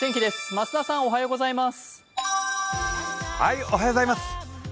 増田さん、おはようございます。